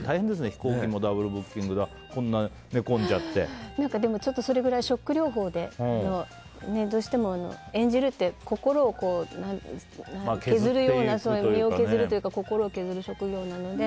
飛行機もダブルブッキングだでも、それくらいショック療法でどうしても演じるって心を削るような身を削るというか心を削る職業なので。